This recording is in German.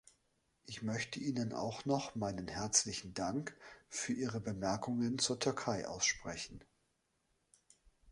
Ich möchte Ihnen auch noch meinen herzlichen Dank für Ihre Bemerkungen zur Türkei aussprechen.